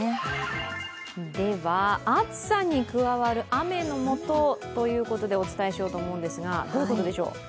暑さに加わる雨のもとということでお伝えしようと思うんですが、どういうことでしょう？